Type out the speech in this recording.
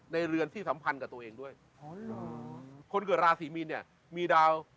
เรือนที่สัมพันธ์กับตัวเองด้วยอ๋อเหรอคนเกิดราศีมีนเนี่ยมีดาว